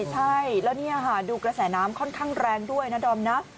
ใช่แล้วนี่คุณผู้ชมค่อนข้างดูกระแสน้ำแรงด้วยนะดอมนะ